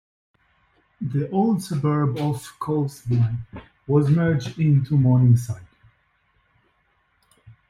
The old suburb of Colmslie was merged into Morningside.